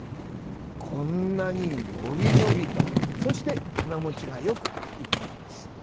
こんなにのびのびと、そして花もちがよくいっています。